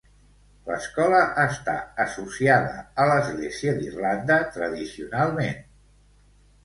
L'escola està associada a l'Església d'Irlanda tradicionalment .